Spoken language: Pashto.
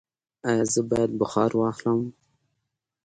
ایا زه باید بخار واخلم؟